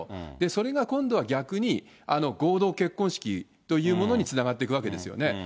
それが今度は逆に、合同結婚式というものにつながっていくわけですよね。